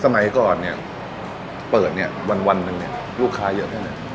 สมัยก่อนเนี่ยเปิดเนี่ยวันหนึ่งเนี่ยลูกค้าเยอะแค่ไหน